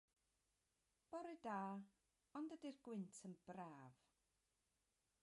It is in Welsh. Bore da, o'nd ydi'r gwynt yn braf?